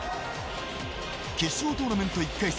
決勝トーナメント１回戦